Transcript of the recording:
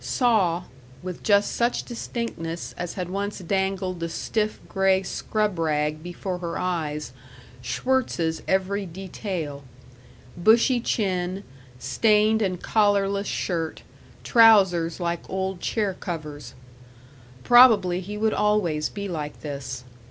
Saw with just such distinctness as had once dangled the stiff, gray scrub rag before her eyes Schwirtz's every detail: bushy chin, stained and collarless shirt, trousers like old chair covers. Probably he would always be like this.